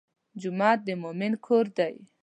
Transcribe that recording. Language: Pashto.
جومات د مؤمن کور دی.